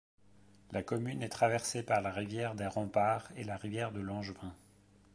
La commune est traversée par la rivière des Remparts et la rivière Langevin.